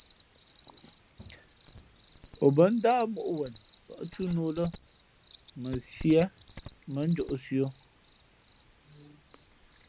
O bάndáh mǒʼ wen pάʼ túná ō lά mα Sié mᾱ njōʼsī o.